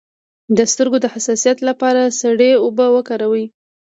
د سترګو د حساسیت لپاره سړې اوبه وکاروئ